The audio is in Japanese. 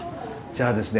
じゃあですね